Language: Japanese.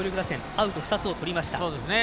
アウト２つをとりました。